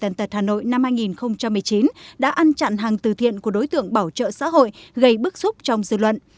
tân tật hà nội năm hai nghìn một mươi chín đã ăn chặn hàng từ thiện của đối tượng bảo trợ xã hội gây bức xúc trong dư luận